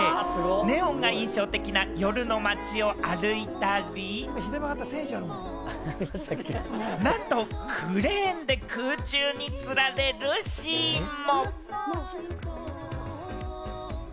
ネオンが印象的な夜の街を歩いたり、なんとクレーンで空中に吊られるシーンも。